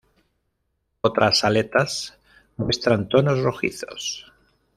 Otras aletas muestran tonos rojizos.